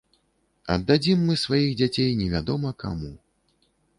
Аддадзім мы сваіх дзяцей невядома каму.